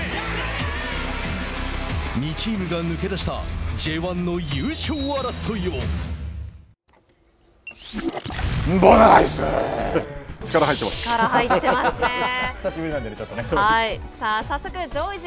２チームが抜け出したＪ１の優勝争いをボナライズ！